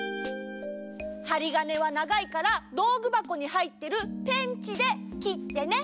ハリガネはながいからどうぐばこにはいってるペンチできってね。